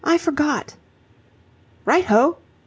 I forgot." "Right ho!"